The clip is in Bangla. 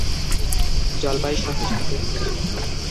জলপাই শাখা শান্তি প্রতীক।